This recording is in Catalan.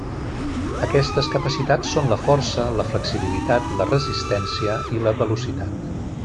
Aquestes capacitats són la força, la flexibilitat, la resistència i la velocitat.